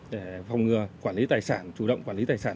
để phòng ngừa quản lý tài sản chủ động quản lý tài sản